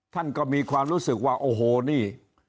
ท่านก็มีความรู้สึกว่าโอ้โหนี่